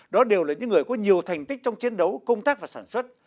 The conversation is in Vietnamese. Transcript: đó đều là những người có nhiều thành tích trong chiến đấu công tác và sản xuất